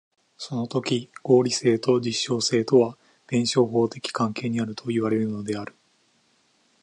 そのとき合理性と実証性とは弁証法的関係にあるといわれるのである。